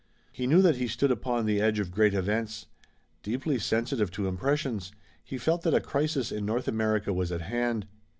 He knew that he stood upon the edge of great events. Deeply sensitive to impressions, he felt that a crisis in North America was at hand.